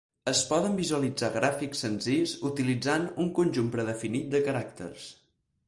Es poden visualitzar gràfics senzills utilitzant un conjunt predefinit de caràcters.